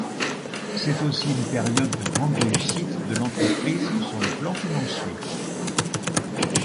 C'est aussi une période de grande réussite de l'entreprise sur le plan financier.